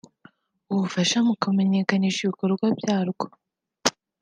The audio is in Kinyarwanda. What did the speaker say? ubufasha mu kumenyekanisha ibikorwa byarwo